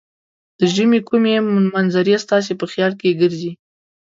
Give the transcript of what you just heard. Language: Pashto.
د ژمې کومې منظرې ستاسې په خیال کې ګرځي؟